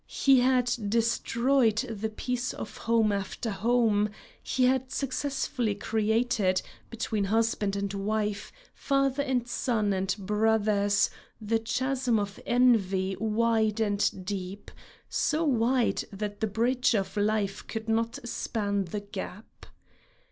He had destroyed the peace of home after home; he had successfully created, between husband and wife, father and son and brothers, the chasm of envy wide and deep, so wide that the bridge of life could not span the gap.